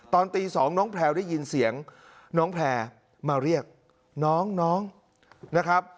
ตอนตี๒น้องแพลวได้ยินเสียงน้องแพลวมาเรียกน้องน้องนะครับ